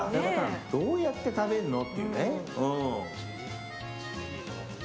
どうやって食べるの？っていうね。